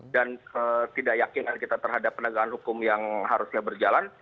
dan tidak yakin kita terhadap penegakan hukum yang harusnya berjalan